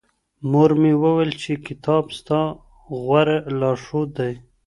مور مي وويل چي کتاب ستا غوره لارښود دی.